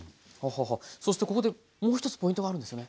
そしてここでもう１つポイントがあるんですよね？